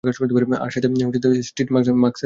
আর সাথে মীট স্টিক্সের কর্মচারী।